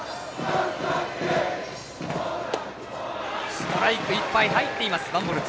ストライクいっぱい入っています。